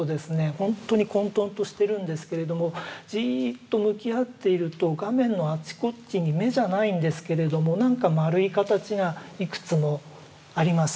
ほんとに混とんとしてるんですけれどもじっと向き合っていると画面のあちこちに眼じゃないんですけれどもなんかまるい形がいくつもあります。